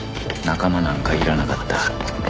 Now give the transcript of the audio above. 仲間なんかいらなかった